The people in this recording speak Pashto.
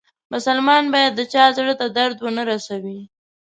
مسلمان باید د چا زړه ته درد و نه روسوي.